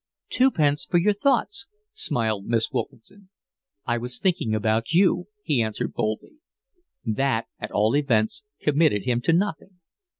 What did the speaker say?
"Twopence for your thoughts," smiled Miss Wilkinson. "I was thinking about you," he answered boldly. That at all events committed him to nothing.